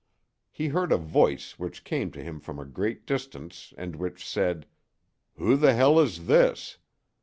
He heard a voice which came to him from a great distance, and which said, "Who the hell is this?"